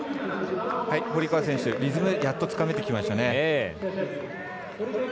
堀川選手、リズムやっとつかめてきましたね。